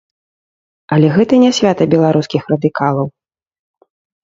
Але гэта не свята беларускіх радыкалаў.